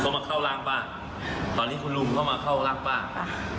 เค้าทำวิ่งแบบแบบวิสาหรีไม่มีเหมาะร๊วมคนสำหรับห่วงเดอะและเพารี่ของผู้อำดุม